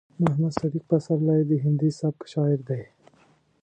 محمد صديق پسرلی د هندي سبک شاعر دی.